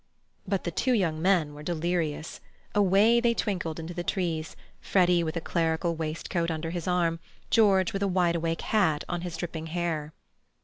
But the two young men were delirious. Away they twinkled into the trees, Freddy with a clerical waistcoat under his arm, George with a wide awake hat on his dripping hair.